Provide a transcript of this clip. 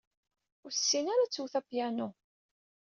Ur tessin ara ad twet apyanu.